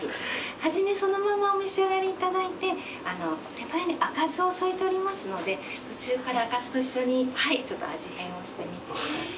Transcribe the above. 初めそのままお召し上がりいただいて手前に赤酢を添えておりますので途中から赤酢と一緒に味変をしてみてください。